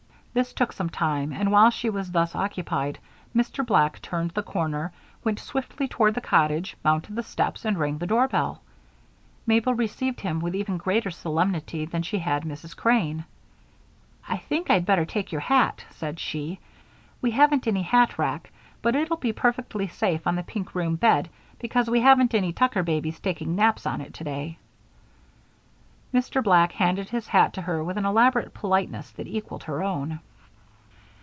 This took some time and, while she was thus occupied, Mr. Black turned the corner, went swiftly toward the cottage, mounted the steps, and rang the doorbell. Mabel received him with even greater solemnity than she had Mrs. Crane. "I think I'd better take your hat," said she. "We haven't any hat rack, but it'll be perfectly safe on the pink room bed because we haven't any Tucker babies taking naps on it today." Mr. Black handed his hat to her with an elaborate politeness that equaled her own.